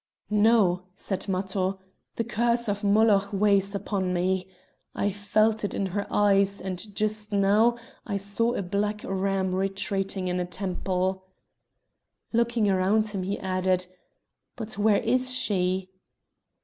"No!" said Matho, "the curse of Moloch weighs upon me. I felt it in her eyes, and just now I saw a black ram retreating in a temple." Looking around him he added: "But where is she?"